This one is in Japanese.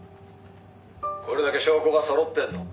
「これだけ証拠がそろってんの」